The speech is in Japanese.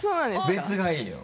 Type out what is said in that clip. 別がいいの。